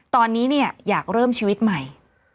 ตอนนี้เนี่ยอยากเริ่มชีวิตใหม่